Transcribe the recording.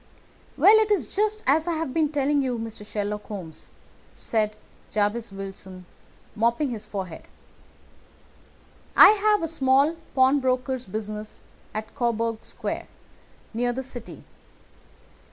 "Well, it is just as I have been telling you, Mr. Sherlock Holmes," said Jabez Wilson, mopping his forehead; "I have a small pawnbroker's business at Coburg Square, near the City.